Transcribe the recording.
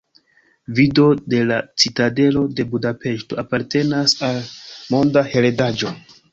Vido de la Citadelo de Budapeŝto apartenas al Monda Heredaĵo.